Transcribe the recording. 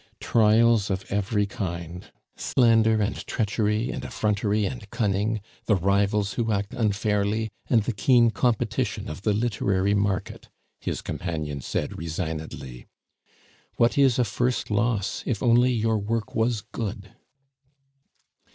"Trials of every kind, slander and treachery, and effrontery and cunning, the rivals who act unfairly, and the keen competition of the literary market," his companion said resignedly. "What is a first loss, if only your work was good?"